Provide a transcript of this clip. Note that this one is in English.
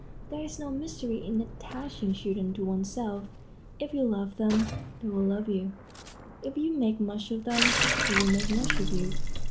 There is no mystery in attaching children to one's self. If you love them, they will love you. If you make much of them, they will make much of you.